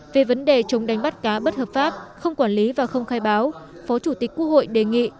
về vấn đề chống đánh bắt cá bất hợp pháp không quản lý và không khai báo phó chủ tịch quốc hội đề nghị